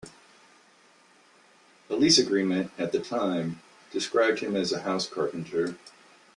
A lease agreement at the time described him as a house-carpenter.